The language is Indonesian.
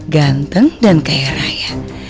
ganteng dan kaya raya